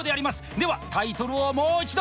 ではタイトルをもう一度！